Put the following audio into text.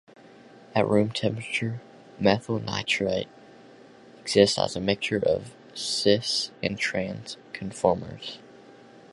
At room temperature, methyl nitrite exists as a mixture of "cis" and "trans" conformers.